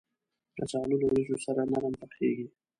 کچالو له وریجو سره نرم پخېږي